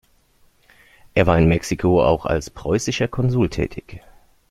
Er war in Mexiko auch als preußischer Konsul tätig.